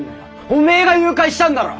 おめえが誘拐したんだろ！